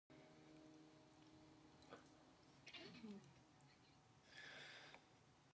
She is the female president of the university.